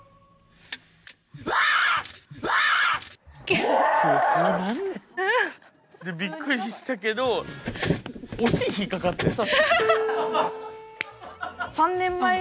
わあっ！びっくりしたけどお尻引っかかってん。